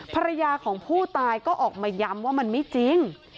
ภรรยาของผู้ตายก็ออกมาย้ำว่ามันไม่จริง